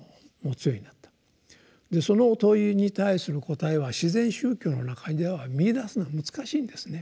その問いに対する答えは「自然宗教」の中では見いだすのは難しいんですね。